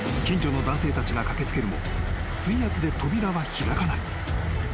［近所の男性たちが駆け付けるも水圧で扉は開かない］